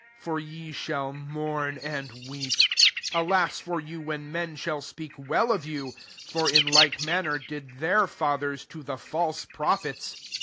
for ye shall mourn and weep. 26 Alas ybryotf, when menshali speak well of you ! for in like manner did their fathers to the false prophets.